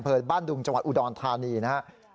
เปิดบ้านดุงจังหวัดอุดรธานีนะฮะ